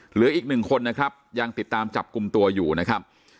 เหลืออีกหนึ่งคนนะครับยังติดตามจับกลุ่มตัวอยู่นะครับ